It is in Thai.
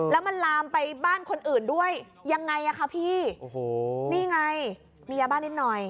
แล้วมันลามไปบ้านคนอื่นด้วยยังไงอ่ะคะพี่โอ้โหนี่ไงมียาบ้านนิดหน่อย